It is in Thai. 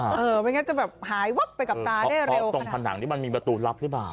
เออไม่งั้นจะแบบหายไปกับตาได้เร็วตรงผนังที่มันมีประตูลับหรือเปล่า